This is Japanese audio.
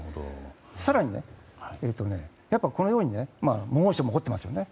更に、このように猛暑も起こっていますね。